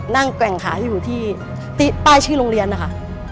แกว่งขาอยู่ที่ป้ายชื่อโรงเรียนนะคะ